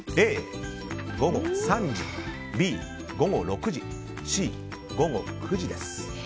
Ａ、午後３時、Ｂ、午後６時Ｃ、午後９時。